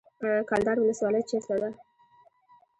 کلدار ولسوالۍ چیرته ده؟